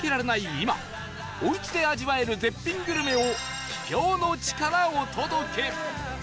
今おうちで味わえる絶品グルメを秘境の地からお届け！